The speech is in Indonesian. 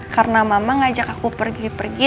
karena mama ngajak aku pergi pergi